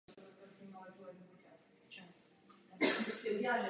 Jednalo se tak o velkou událost a významný mezník v dějinách rozptýlené církve.